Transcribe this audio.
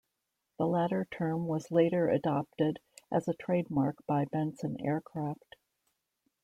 The latter term was later adopted as a trademark by Bensen Aircraft.